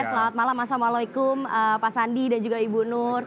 selamat malam assalamualaikum pak sandi dan juga ibu nur